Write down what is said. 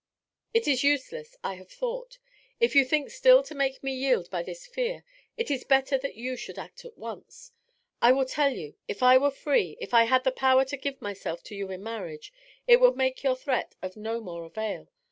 It is useless. I have thought. If you think still to make me yield by this fear, it is better that you should act at once. I will tell you If I were free, if I had the power to give myself to you in marriage, it would make your threat of no more avail.